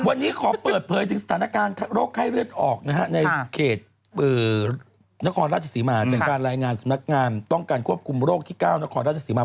วันนี้ขอเปิดเผยถึงสถานการณ์โรคไข้เลือดออกนะฮะในเขตนครราชศรีมาเป็นการรายงานสำนักงานป้องกันควบคุมโรคที่๙นครราชสีมา